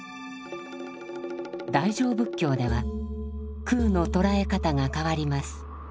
大乗仏教では空の捉え方が変わります。